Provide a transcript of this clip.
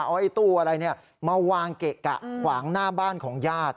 เอาไอ้ตู้อะไรมาวางเกะกะขวางหน้าบ้านของญาติ